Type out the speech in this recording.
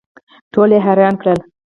ټول یې حیران کړل.